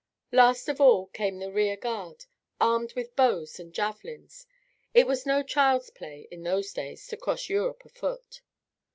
Last of all came the rear guard, armed with bows and javelins. It was no child's play, in those days, to cross Europe afoot.